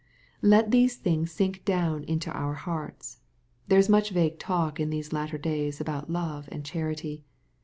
Let these things sink down into our hearts. There is much vague talk in these latter days about love and charity.